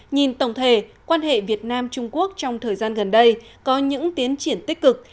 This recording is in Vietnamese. nhìn tổng thể quan hệ việt nam trung quốc trong thời gian gần đây có những tiến triển tích cực